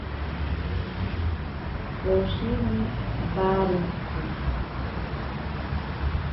Poshini warentsi.